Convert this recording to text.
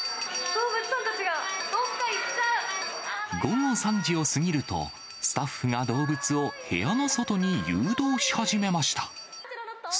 動物さんたちが、どっか行っ午後３時を過ぎると、スタッフが動物を部屋の外に誘導し始めました。